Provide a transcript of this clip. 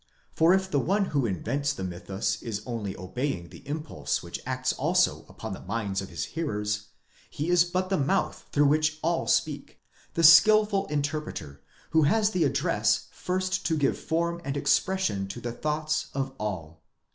For if the one who invents the mythus is only obeying the impulse which acts also upon the minds of his hearers, he is but the mouth through which all speak, the skilful interpreter who has the address first to give form and expression to the thoughts of all.